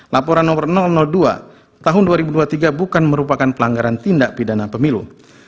laporan nomor dua tahun dua ribu dua puluh tiga bukan merupakan pelanggaran tindak pidana pemilu